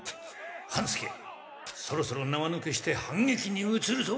半助そろそろ縄抜けして反撃にうつるぞ。